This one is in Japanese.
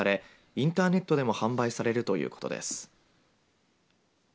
インターネットでも販売されるということです。